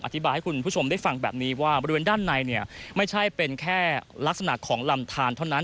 อธิบายให้คุณผู้ชมได้ฟังแบบนี้ว่าบริเวณด้านในเนี่ยไม่ใช่เป็นแค่ลักษณะของลำทานเท่านั้น